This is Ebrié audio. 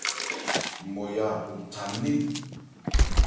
Nmɔya òtha nné.